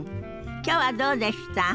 きょうはどうでした？